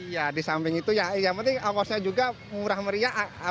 ya disamping itu ya yang penting awasnya juga murah meriah